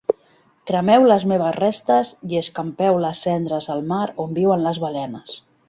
Cremeu les meves restes i escampeu les cendres al mar on viuen les balenes.